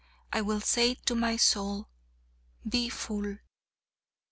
I will say to my soul: "Be Full."'